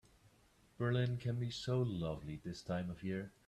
Berlin can be so lovely this time of year.